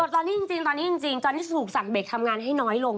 ตอนนี้จริงตอนนี้ถูกสั่งเบรกทำงานให้น้อยลง